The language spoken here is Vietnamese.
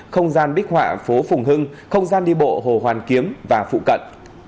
không gian bích họa phố phùng hưng không gian đi bộ hồ hoàn kiếm và phụ cận